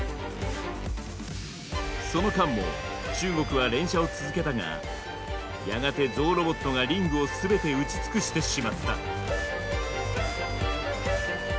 その間も中国は連射を続けたがやがてゾウロボットがリングを全て打ち尽くしてしまった。